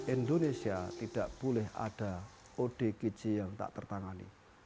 indonesia tidak boleh ada odgj yang tak tertangani